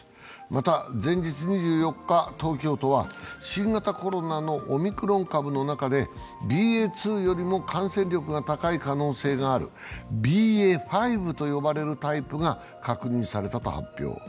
また、前日２４日、東京都は新型コロナのオミクロン株の中でＢＡ．２よりも感染力が高い可能性がある、ＢＡ．５と呼ばれるタイプが確認されたと発表。